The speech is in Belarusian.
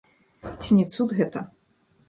Ці не цуд гэта?